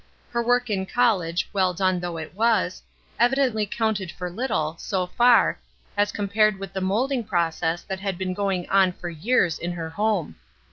Her work in college, well done though it was, evidently counted for little, so far, as compared with the moulding process that had been going on for years in her home.